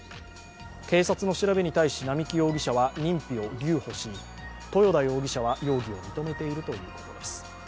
警察の調べに対し並木容疑者は認否を留保し豊田容疑者は容疑を認めているということです。